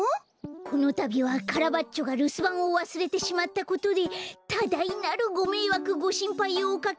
このたびはカラバッチョがるすばんをわすれてしまったことでただいなるごめいわくごしんぱいをおかけし。